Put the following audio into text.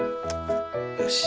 よし。